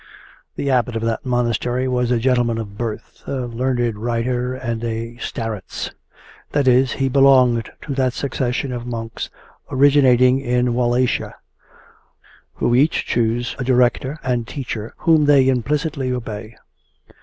The Abbot of that monastery was a gentleman by birth, a learned writer and a starets, that is, he belonged to that succession of monks originating in Walachia who each choose a director and teacher whom they implicitly obey.